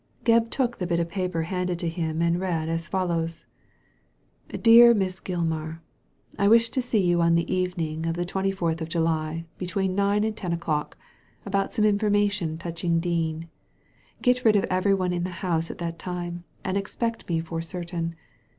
Gebb took the bit of paper handed to him, and read as follows :— Digitized by Google PROOF POSITIVE 253 Dear Miss Gilmar» " I wish to see you on the evening of the 24th July, between nine and ten o'clock, about some information touching Dean. Get rid of every one in the house at that time, and expect me for certain.